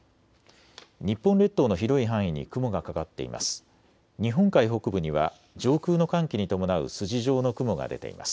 日本列島の広い範囲に雲がかかっています。